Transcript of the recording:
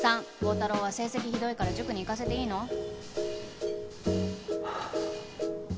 ３高太郎は成績ひどいから塾に行かせていいの？